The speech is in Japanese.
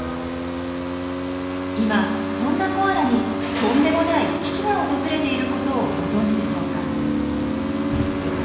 今そんなコアラにとんでもない危機が訪れていることをご存じでしょうか？